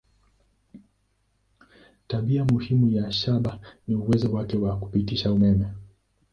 Tabia muhimu ya shaba ni uwezo wake wa kupitisha umeme.